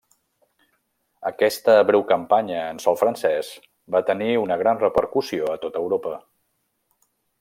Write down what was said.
Aquesta breu campanya en sòl francès va tenir una gran repercussió a tot Europa.